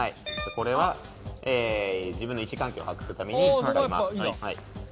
これは自分の位置関係を把握するために使います。